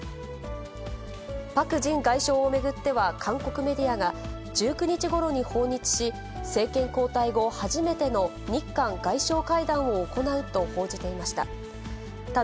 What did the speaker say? パク・ジン外相を巡っては、韓国メディアが１９日ごろに訪日し、政権交代後初めての日韓外相会談を行うと報じていました。